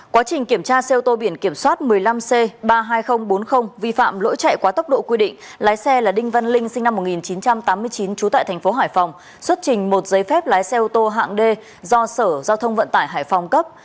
quá trình kiểm tra xe ô tô biển kiểm soát một mươi năm c ba mươi hai nghìn bốn mươi vi phạm lỗi chạy quá tốc độ quy định lái xe là đinh văn linh sinh năm một nghìn chín trăm tám mươi chín trú tại thành phố hải phòng xuất trình một giấy phép lái xe ô tô hạng d do sở giao thông vận tải hải phòng cấp